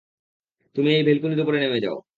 তুমি এই ভেলকুনির উপরে নেমে যাও।